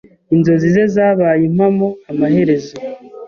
Inzozi ze zabaye impamo amaherezo.